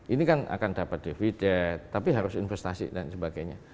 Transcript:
ini kan akan dapat dividet tapi harus investasi dan sebagainya